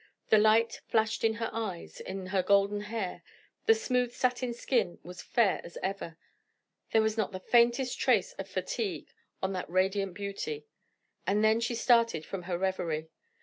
The light flashed in her eyes, in her golden hair; the smooth satin skin was fair as ever. There was not the faintest trace of fatigue on that radiant beauty, and then she started from her reverie.